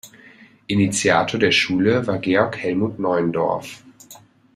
Initiator der Schule war Georg Hellmuth Neuendorff.